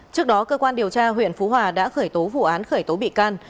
trước đó cơ quan điều tra huyện phú hòa đã khởi tố vụ án khởi tố bị can